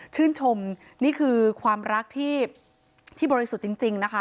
ชื่นชมนี่คือความรักที่บริสุทธิ์จริงนะคะ